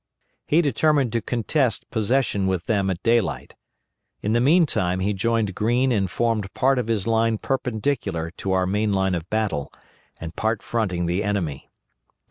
He determined to contest possession with them at daylight. In the meantime he joined Greene and formed part of his line perpendicular to our main line of battle, and part fronting the enemy.